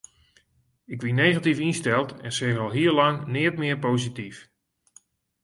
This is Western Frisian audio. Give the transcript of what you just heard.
Ik wie negatyf ynsteld en seach al hiel lang neat mear posityf.